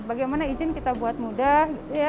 bagaimana izin kita buat mudah